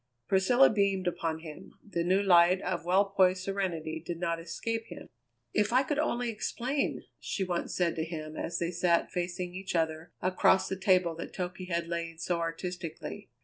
Priscilla beamed upon him; the new light of well poised serenity did not escape him. "If I could only explain!" she once said to him as they sat facing each other across the table that Toky had laid so artistically.